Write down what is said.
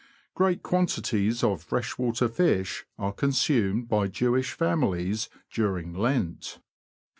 Great quantities of freshwater fish are consumed by Jewish families during Lent.